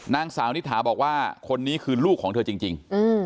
นางสาวนิถาบอกว่าคนนี้คือลูกของเธอจริง